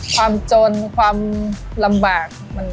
ความจนความลำบาก